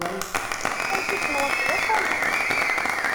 Amcic-nwent d awfayan.